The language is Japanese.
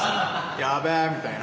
やべえみたいな。